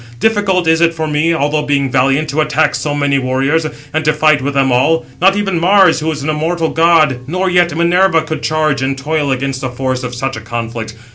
Difficult is it for me, although being valiant, to attack so many warriors, and to fight with them all. Not even Mars, who is an immortal god, nor yet Minerva, could charge and toil against the force of such a conflict.